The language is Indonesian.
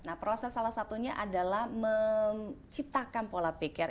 nah proses salah satunya adalah menciptakan pola pikir